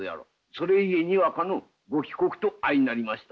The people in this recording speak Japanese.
それゆえにわかのご帰国と相なりました。